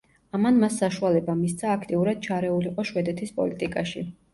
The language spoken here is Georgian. ამან მას საშუალება მისცა, აქტიურად ჩარეულიყო შვედეთის პოლიტიკაში.